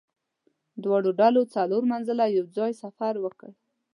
دواړو ډلو څلور منزله یو ځای سفر وکړ.